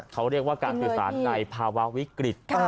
เขาเรียกว่าการสื่อสารในภาวะวิกฤต